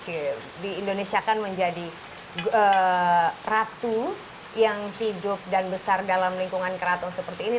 oke di indonesia kan menjadi ratu yang hidup dan besar dalam lingkungan keraton seperti ini